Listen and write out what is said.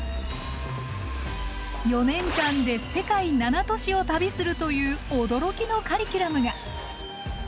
４年間で世界７都市を旅するという驚きのカリキュラムが！